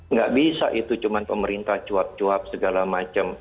nggak bisa itu cuma pemerintah cuap cuap segala macam